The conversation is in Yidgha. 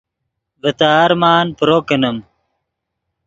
ڤے تے ارمان پرو کینیم